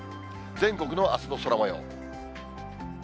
全国のあすの空もよう。